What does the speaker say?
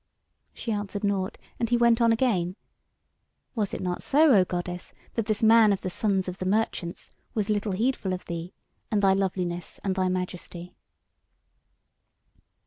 She answered nought, and he went on again: "Was it not so, O goddess, that this man of the sons of the merchants was little heedful of thee, and thy loveliness and thy majesty?"